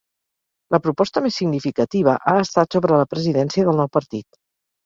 La proposta més significativa ha estat sobre la presidència del nou partit.